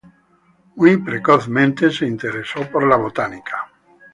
Muy precozmente se interesó en la botánica.